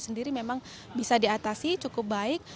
sendiri memang bisa diatasi cukup baik